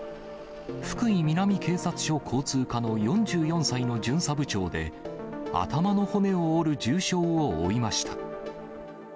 福井南警察署交通課の４４歳の巡査部長で、頭の骨を折る重傷を負いました。